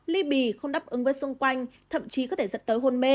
ly bì không đáp ứng với xung quanh thậm chí có thể dẫn tới hôn mê